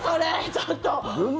ちょっと！